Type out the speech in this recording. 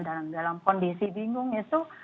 dan dalam kondisi bingung itu